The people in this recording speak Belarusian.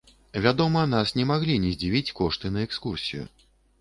Вядома, нас не маглі не здзівіць кошты на экскурсію.